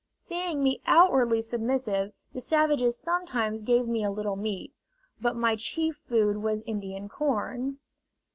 Seeing me outwardly submissive, the savages sometimes gave me a little meat, but my chief food was Indian corn.